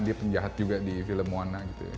dia penjahat juga di film moana